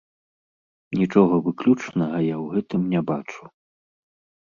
Нічога выключнага я ў гэтым не бачу.